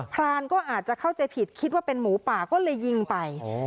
พรานก็อาจจะเข้าใจผิดคิดว่าเป็นหมูป่าก็เลยยิงไป